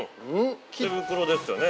◆手袋ですよね？